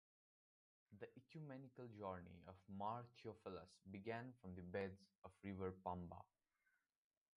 The Ecumenical journey of Mar Theophilus began from the beds of River Pamba.